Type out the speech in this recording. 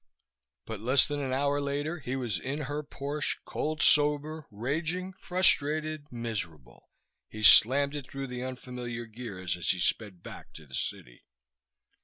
But less than an hour later he was in her Porsche, cold sober, raging, frustrated, miserable. He slammed it through the unfamiliar gears as he sped back to the city.